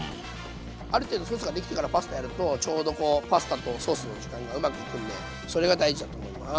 ある程度ソースができてからパスタやるとちょうどこうパスタとソースの時間がうまくいくんでそれが大事だと思います。